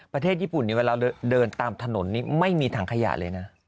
ประเทศญี่ปุ่นเวลาเดินตามถนนนี่ไม่มีถังขยะเลยนะ